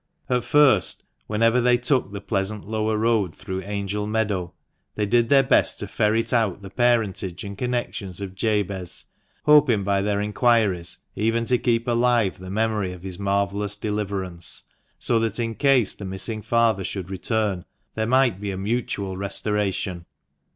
At first, whenever they took the pleasant lower road through Angel Meadow, they did their best to ferret out the parentage and connections of Jabez, hoping by their inquiries even to keep alive the memory of his marvellous deliverance, so that in case the missing father should return, there might be a mutual restoration.